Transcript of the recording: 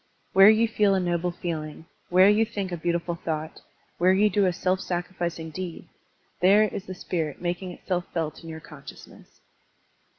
Where you feel a noble feeling, where you think a beautiful thought, where you do a self sacrificing deed, there is the spirit making itself felt in yotu* con sciousness.